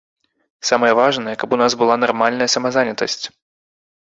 Самае важнае, каб у нас была нармальная самазанятасць.